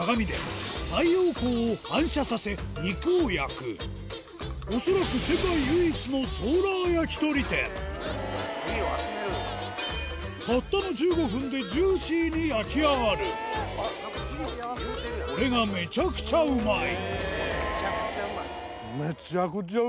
ここは恐らく世界唯一のたったの１５分でジューシーに焼き上がるこれがめちゃくちゃうまいへぇ！